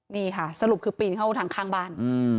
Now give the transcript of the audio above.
นี่ค่ะสรุปคือปีนเข้าทางข้างบ้าน